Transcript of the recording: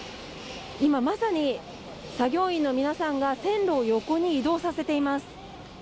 今まさに作業員の皆さんが線路を横に移動させています